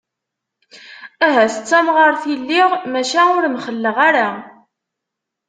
Ahat d tamɣart i lliɣ, maca ur mxelleɣ ara.